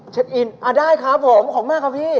อินได้ครับผมของมากครับพี่